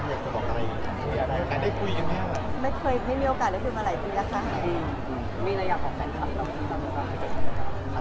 สหาย